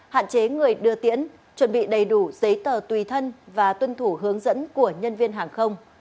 hạn chế người đưa tiễn chuẩn bị đầy đủ giấy tờ tùy thân và tuân thủ hướng dẫn của nhân viên hàng không